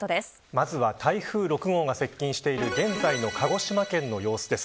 まずは台風６号が接近している現在の鹿児島県の様子です。